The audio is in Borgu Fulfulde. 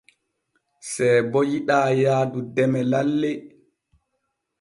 Seebo yiɗaa yaadu deme lalle.